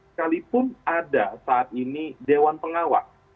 sekalipun ada saat ini dewan pengawas